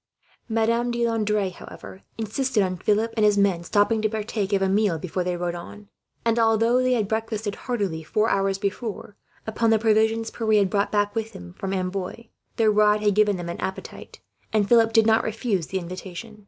Madame de Landres, however, insisted on Philip and his men stopping to partake of a meal before they rode on; and although they had breakfasted heartily, four hours before, upon the provisions Pierre had brought back with him from Amboise, their ride had given them an appetite; and Philip did not refuse the invitation.